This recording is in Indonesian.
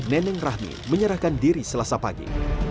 neneng rahmi menyerahkan diri selasa pagi